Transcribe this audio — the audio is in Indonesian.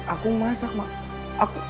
aku masak mak